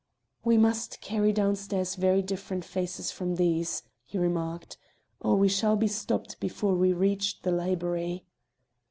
"We must carry down stairs very different faces from these," he remarked, "or we shall be stopped before we reach the library."